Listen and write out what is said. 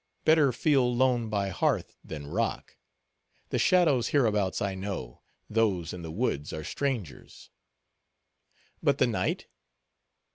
Better feel lone by hearth, than rock. The shadows hereabouts I know—those in the woods are strangers." "But the night?"